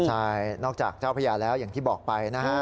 ใช่นอกจากเจ้าพญาแล้วอย่างที่บอกไปนะฮะ